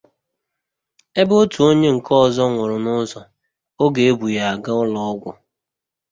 ebe otu onye nke ọzọ nwụrụ n'ụzọ oge e bu ya aga ụlọọgwụ.